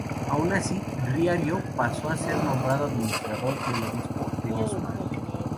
Aun así, Riario pasó a ser nombrado administrador del obispado de Osma.